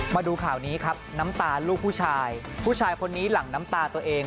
มาดูข่าวนี้ครับน้ำตาลูกผู้ชายผู้ชายคนนี้หลั่งน้ำตาตัวเอง